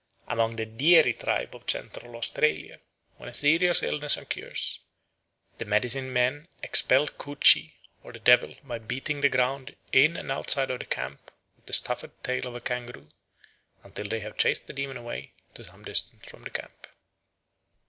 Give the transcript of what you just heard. Among the Dieri tribe of Central Australia, when a serious illness occurs, the medicine men expel Cootchie or the devil by beating the ground in and outside of the camp with the stuffed tail of a kangaroo, until they have chased the demon away to some distance from the camp.